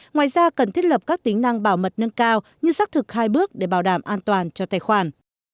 ngoài ra cần thiết lập các tính năng bảo mật nâng cao như xác thực hai bước để bảo đảm an toàn cho tài khoản